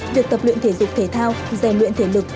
việc tập luyện thể dục thể thao rèn luyện thể lực